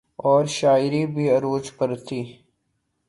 اورشاعری بھی عروج پہ تھی۔